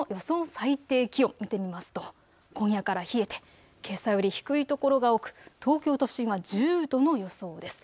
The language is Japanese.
最低気温、見てみますと今夜から冷えてけさより低い所が多く東京都心は１０度の予想です。